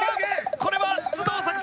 これは頭脳作戦。